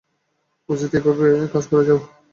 উপস্থিত এইভাবে কাজ করে যাও।